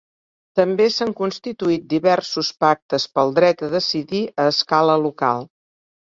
També s'han constituït diversos pactes pel dret a decidir a escala local.